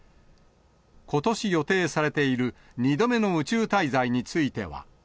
ことし予定されている２度目の宇宙滞在については。